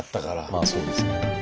まあそうですね。